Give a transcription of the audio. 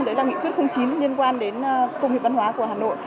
đấy là nghị quyết chín liên quan đến công nghiệp văn hóa của hà nội